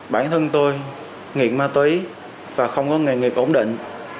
bản thân tôi nghiện ma túy và không có nghề nghiệp ổn định